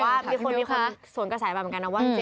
มีคนสวนกระแสมาเหมือนกันนะว่า